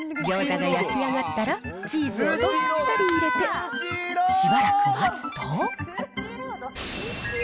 ギョーザが焼き上がったら、チーズをどっさり入れてしばらく待つと。